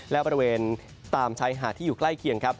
และบริเวณตามชายหาดที่อยู่ใกล้เคียงครับ